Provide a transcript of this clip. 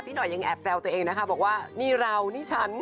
หน่อยยังแอบแซวตัวเองนะคะบอกว่านี่เรานี่ฉัน